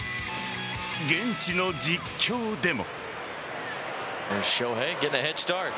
現地の実況でも。